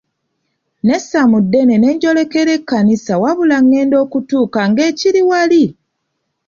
Nnessa mu ddene ne njolekera ekkanisa wabula ngenda okutuuka ng'ekiri wali!